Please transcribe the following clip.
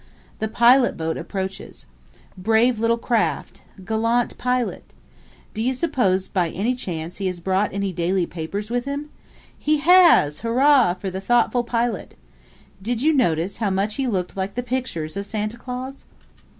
The pilot boat approaches. Brave little craft! Gallant pilot! Do you suppose by any chance he has brought any daily papers with him? He has hurrah for the thoughtful pilot! Did you notice how much he looked like the pictures of Santa Claus?